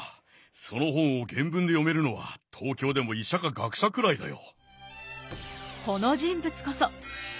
その本を原文で読めるのは東京でも医者か学者くらいだよ。